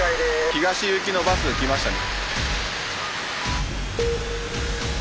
東行きのバス来ましたね。